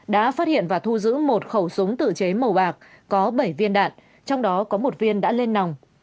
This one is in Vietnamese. đã phát hiện và thu giữ một khẩu súng tự chế màu bạc có bảy viên đạn trong đó có một viên đã lên nòng